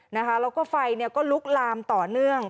แล้วก็ไฟก็ลุกลามต่อเนื่อง